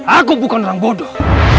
aku bukan orang bodoh